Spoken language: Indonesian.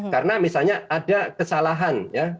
karena misalnya ada kesalahan ya